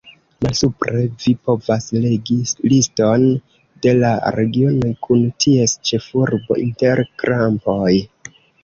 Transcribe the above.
Malsupre vi povas legi liston de la regionoj, kun ties ĉefurbo inter krampoj.